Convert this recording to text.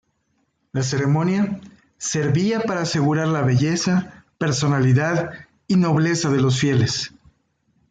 La ceremonia servía para asegurar la belleza, personalidad y nobleza de los fieles.